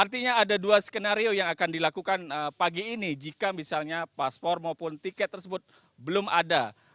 artinya ada dua skenario yang akan dilakukan pagi ini jika misalnya paspor maupun tiket tersebut belum ada